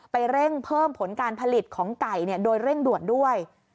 เร่งเพิ่มผลการผลิตของไก่โดยเร่งด่วนด้วย